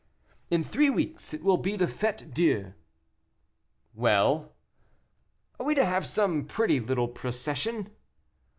"In three weeks it will be the Fête Dieu." "Well!" "Are we to have some pretty little procession?"